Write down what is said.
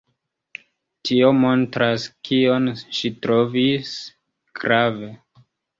Tio montras, kion ŝi trovis grave.